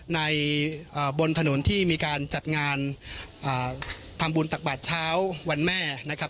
บนถนนที่มีการจัดงานทำบุญตักบาทเช้าวันแม่นะครับ